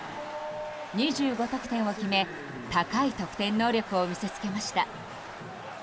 ２５得点を決め高い得点能力を見せつけました。